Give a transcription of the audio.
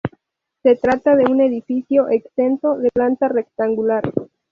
Se trata de un edificio exento de planta rectangular.